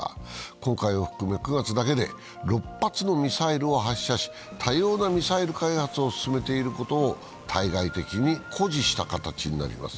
今回を含め９月だけで６発のミサイルを発射し多様なミサイル開発を進めていることを対外的に誇示した形になります。